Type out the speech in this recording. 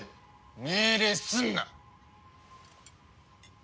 命令すんな！